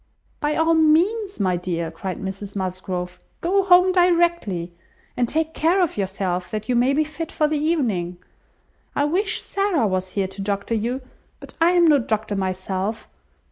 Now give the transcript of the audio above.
"By all means, my dear," cried Mrs Musgrove, "go home directly, and take care of yourself, that you may be fit for the evening. I wish Sarah was here to doctor you, but I am no doctor myself.